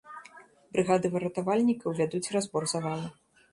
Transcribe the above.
Брыгады выратавальнікаў вядуць разбор завала.